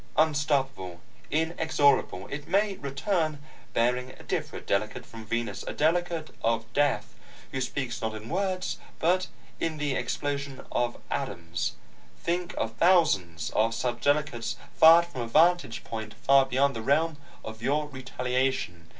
Unstoppable, inexorable, it may return, bearing a different Delegate from Venus a Delegate of Death, who speaks not in words, but in the explosion of atoms. Think of thousands of such Delegates, fired from a vantage point far beyond the reach of your retaliation.